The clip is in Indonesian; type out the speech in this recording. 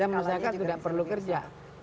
masyarakat tidak perlu kerja